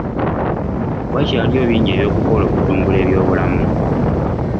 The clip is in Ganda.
Wakyaliyo bingi eby'okukola okutumbula ebyobulamu.